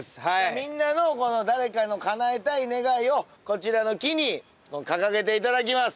みんなの誰かのかなえたい願いをこちらの木に掲げていただきます。